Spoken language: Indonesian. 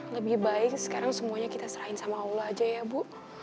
lebih baik sekarang semuanya kita serahin sama allah aja ya bu